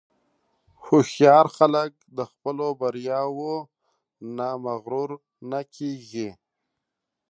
هوښیار خلک د خپلو بریاوو نه مغرور نه کېږي.